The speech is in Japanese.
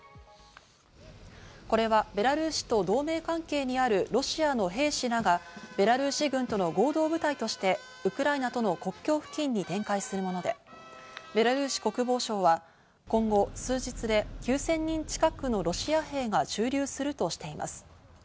これはベラルーシと同盟関係にあるロシアの兵士らが、ベラルーシ軍との合同部隊としてウクライナとの国境付近に展開するもので、ベラルーシ国防省は今後数日で９０００人近くのロシア兵が駐留するとしています。